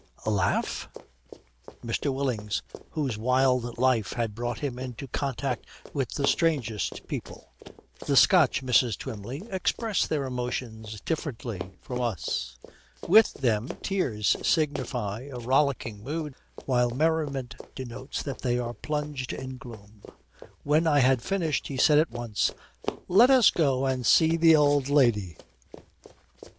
'Laugh?' MR. WILLINGS, whose wild life has brought him into contact with the strangest people, 'The Scotch, Mrs. Twymley, express their emotions differently from us. With them tears signify a rollicking mood, while merriment denotes that they are plunged in gloom. When I had finished he said at once, "Let us go and see the old lady."'